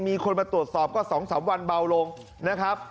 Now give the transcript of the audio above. มีคนมาตรวจสอบก็๒๓วันเบาลงนะครับ